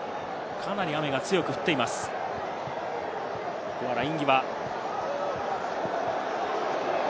かなり雨が強く降っています、ライン際。